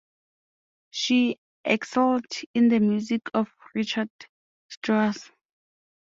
She excelled in the music of Richard Strauss.